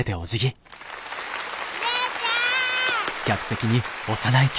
姉ちゃん。